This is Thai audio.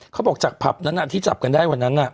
เขาบอกจากผับนั้นที่จับกันได้วันนั้น